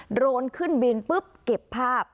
โรนขึ้นบินปุ๊บเก็บภาพ